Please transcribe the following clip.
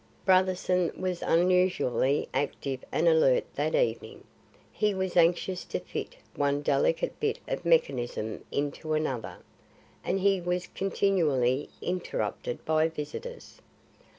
Brotherson was unusually active and alert that evening. He was anxious to fit one delicate bit of mechanism into another, and he was continually interrupted by visitors.